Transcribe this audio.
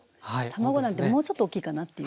卵なんてもうちょっと大きいかなっていう。